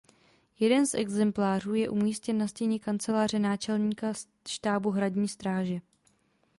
Jeden z exemplářů je umístěn na stěně kanceláře náčelníka štábu Hradní stráže.